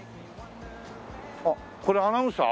あっこれアナウンサー？